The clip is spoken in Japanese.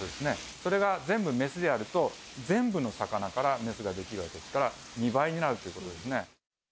それが全部メスであると、全部の魚からメスが出来るわけですから、２倍になるということですね。